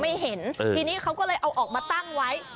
เห็นทีนี้เขาก็เลยเอาออกมาตั้งไว้